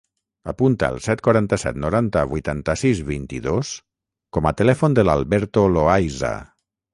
Apunta el set, quaranta-set, noranta, vuitanta-sis, vint-i-dos com a telèfon de l'Alberto Loaiza.